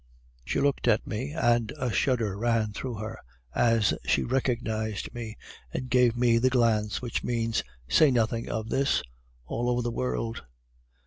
"She looked at me, and a shudder ran through her as she recognized me, and gave me the glance which means, 'Say nothing of this,' all the world over.